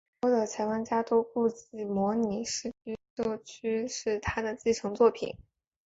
很多的前玩家都估计模拟市民社区版是它的继承作品。